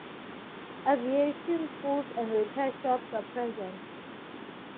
Aviation schools and repair shops are present.